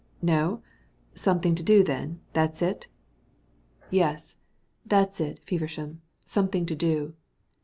"No? Something to do, then. That's it?" "Yes, that's it, Feversham. Something to do."